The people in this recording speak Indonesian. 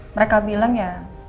mereka bilang ya